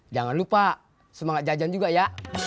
jangan lupa semangat jajan juga ya